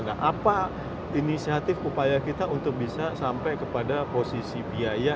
nah apa inisiatif upaya kita untuk bisa sampai kepada posisi biaya